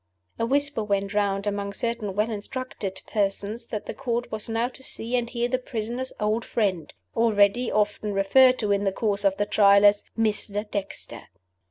A whisper went round among certain well instructed persons that the Court was now to see and hear the prisoner's old friend already often referred to in the course of the Trial as "Mr. Dexter."